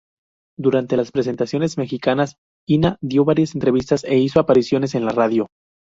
Durante las presentaciones mexicanas, Inna dió varias entrevistas e hizo apariciones en la radio.